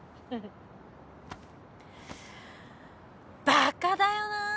バカだよなぁ。